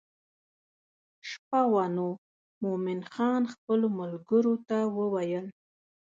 شپه وه نو مومن خان خپلو ملګرو ته وویل.